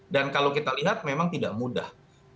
dan kalau kita lihat memang tidak mudah